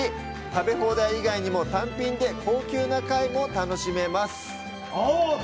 食べ放題以外にも、単品で高級な貝も楽しめます。